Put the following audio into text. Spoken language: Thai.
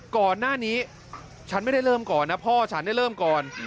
ก่อนหน้านี้ฉันไม่ได้เริ่มก่อนนะพ่อฉันเริ่มก่อน